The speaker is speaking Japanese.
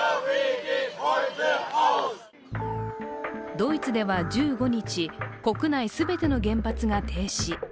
ドイツでは１５日、国内全ての原発が停止。